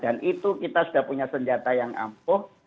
dan itu kita sudah punya senjata yang ampuh